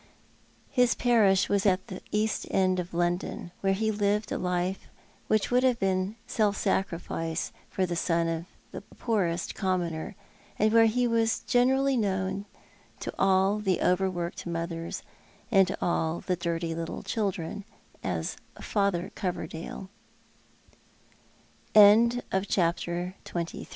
His parish was at the East End of London, where he lived a life which would have been self sacrifice for the son of the poorest commoner, and where he was generally known to all the over worked mothers and all the dirty little children as F